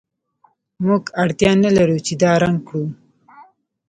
موږ اړتیا نلرو چې دا رنګ کړو